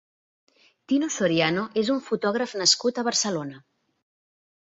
Tino Soriano és un fotògraf nascut a Barcelona.